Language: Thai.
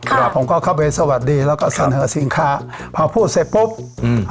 ครับผมก็เข้าไปสวัสดีแล้วก็เสนอสินค้าพอพูดเสร็จปุ๊บอืม